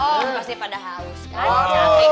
itu pasti pada haus kan